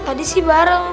tadi sih bareng